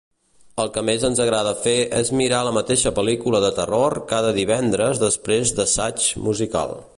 El que més ens agrada fer és mirar la mateixa pel·lícula de terror cada divendres després d'assaig musical.